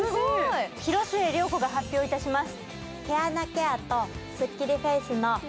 広末涼子が発表します。